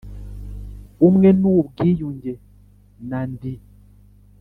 ubumwe n ubwiyunge na Ndi